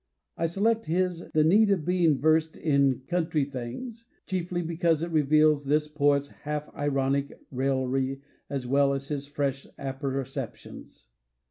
I select his "The Need of Being Versed in Coun try Things" chiefly because it reveals this poet's half ironic raillery as well as his fresh apperceptions.